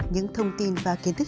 những thông tin và kiến thức